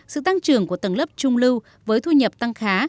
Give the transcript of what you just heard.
sự tăng trưởng của tầng lớp trung lưu với thu nhập tăng khá